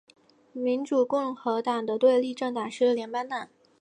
民主共和党的对立政党是联邦党。